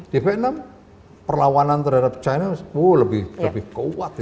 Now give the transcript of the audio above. di vietnam perlawanan terhadap china lebih kuat